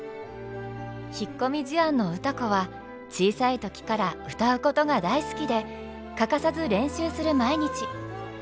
引っ込み思案の歌子は小さい時から歌うことが大好きで欠かさず練習する毎日。